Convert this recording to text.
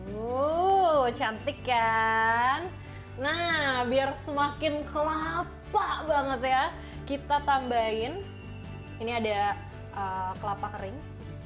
wuh cantik kan nah biar semakin kelapa banget ya kita tambahin ini ada kelapa kering